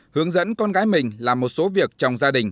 hướng dẫn con gái mình làm một số việc trong gia đình